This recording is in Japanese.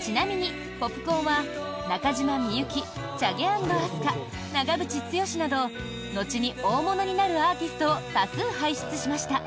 ちなみにポプコンは中島みゆきＣＨＡＧＥａｎｄＡＳＫＡ長渕剛など後に大物になるアーティストを多数輩出しました。